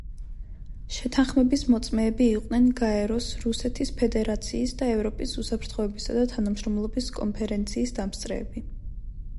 შეთანხმების მოწმეები იყვნენ გაეროს, რუსეთის ფედერაციის და ევროპის უსაფრთხოებისა და თანამშრომლობის კონფერენციის დამსწრეები.